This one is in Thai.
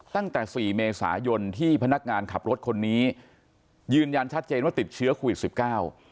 ตั้งแต่สี่เมษายนที่พนักงานขับรถคนนี้ยืนยันชัดเจนว่าติดเชื้อโควิดสิบเก้า